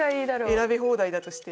選び放題だとして。